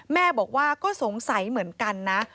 แม่บอกว่าก็สงสัยเหมือนกันนะ